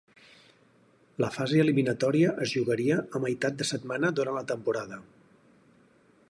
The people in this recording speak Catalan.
La fase eliminatòria es jugaria a meitat de setmana durant la temporada.